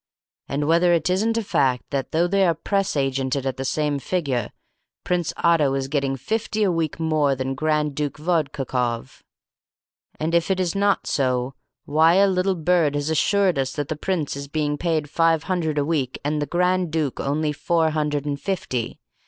And Whether it isn't a fact that, though they are press agented at the same figure, Prince Otto is getting fifty a week more than Grand Duke Vodkakoff? And If it is not so, why a little bird has assured us that the Prince is being paid five hundred a week and the Grand Duke only four hundred and fifty?